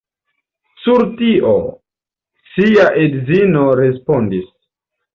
Sur tio, sia edzino respondis.